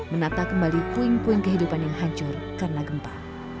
menata kembali poin poin kehidupan yang hancur karena gempa